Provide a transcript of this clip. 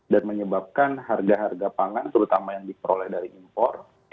dan menyebabkan harga harga pangan terutama yang diperoleh dari impor